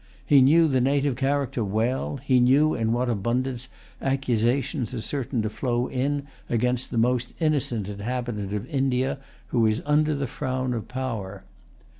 He knew the native character well. He knew in what abundance accusations are certain to flow in against the most innocent inhabitant of India who is under the frown of power.